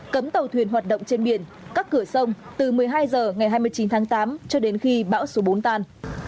cấm tàu thuyền hoạt động trên biển cắt cửa sông từ một mươi hai h ngày hai mươi chín tháng tám cho đến khi bão số bốn tan